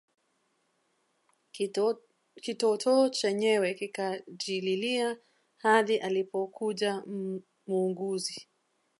Kitotoo chenyewe kikajililia hadi alipokuja muuguzi